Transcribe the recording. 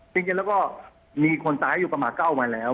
จริงแล้วก็มีคนตายอยู่ประมาณ๙วันแล้ว